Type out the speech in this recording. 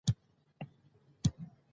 او په سمه توګه یې ادا کړو.